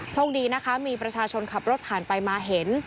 โชคดีนะคะมีประชาชนขับรถผ่านไปมาเห็น